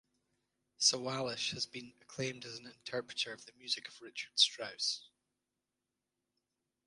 Sawallisch has been acclaimed as an interpreter of the music of Richard Strauss.